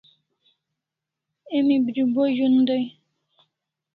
Emi bribo zun dai